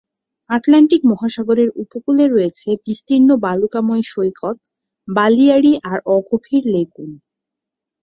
Atlantic মহাসাগরের উপকূলে রয়েছে বিস্তীর্ণ বালুকাময় সৈকত, বালিয়াড়ি আর অগভীর লেগুন।